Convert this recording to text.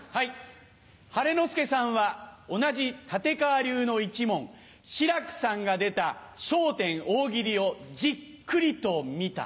晴の輔さんは同じ立川流の一門志らくさんが出た『笑点』大喜利をじっくりと見た。